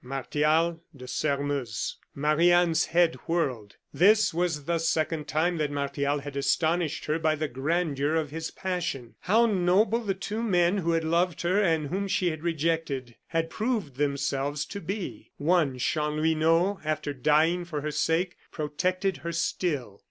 "Martial de Sairmeuse." Marie Anne's head whirled. This was the second time that Martial had astonished her by the grandeur of his passion. How noble the two men who had loved her and whom she had rejected, had proved themselves to be. One, Chanlouineau, after dying for her sake, protected her still.